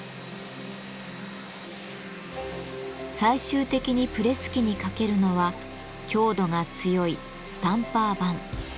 最終的にプレス機にかけるのは強度が強い「スタンパー盤」。